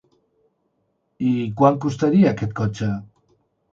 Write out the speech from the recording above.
I quant costaria aquest cotxe?